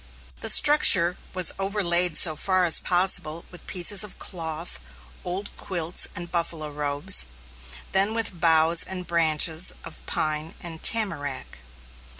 The structure was overlaid so far as possible with pieces of cloth, old quilts, and buffalo robes, then with boughs and branches of pine and tamarack.